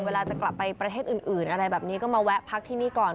เวลาจะกลับไปประเทศอื่นอะไรแบบนี้ก็มาแวะพักที่นี่ก่อน